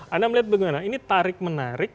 anda melihat bagaimana ini tarik menarik